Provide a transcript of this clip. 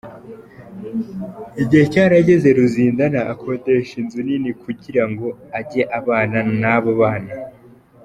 Igihe cyarageze Ruzindana akodesha inzu nini kugira ngo ajye abana n’abo bana.